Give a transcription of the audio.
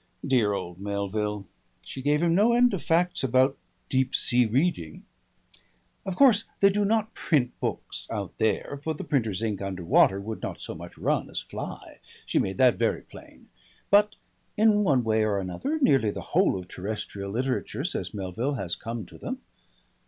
Dear old Melville! She gave him no end of facts about Deep Sea Reading. Of course they do not print books "out there," for the printer's ink under water would not so much run as fly she made that very plain; but in one way or another nearly the whole of terrestrial literature, says Melville, has come to them.